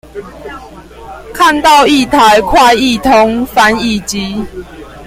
看到一台快譯通翻譯機